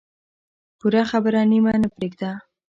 پوره خبره نیمه نه پرېږده.